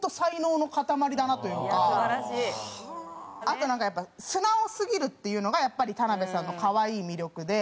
あとなんかやっぱ素直すぎるっていうのがやっぱり田辺さんの可愛い魅力で。